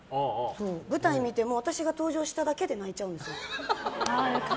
舞台見ても、私が登場しただけで泣いちゃうんですよ。